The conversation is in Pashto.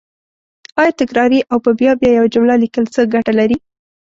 آیا تکراري او په بیا بیا یوه جمله لیکل څه ګټه لري